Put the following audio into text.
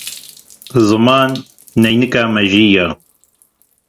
Ziman, neynika mejî ye.